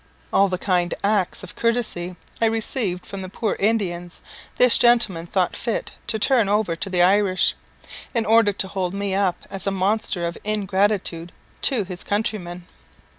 All the kind acts of courtesy I received from the poor Indians this gentleman thought fit to turn over to the Irish, in order to hold me up as a monster of ingratitude to his countrymen.